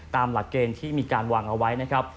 ตามหลักเกณฑ์ที่มีการวางเอาไว้นะครับ